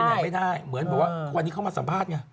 ไปไหนไม่ได้เหมือนว่าวันนี้เข้ามาสัมภาษณ์ไง